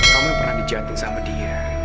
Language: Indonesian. kamu yang pernah dijatuhin sama dia